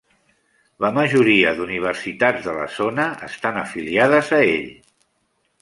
La majoria d'universitats de la zona estan afiliades a ell.